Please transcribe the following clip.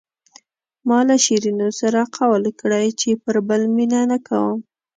ما له شیرینو سره قول کړی چې پر بل مینه نه کوم.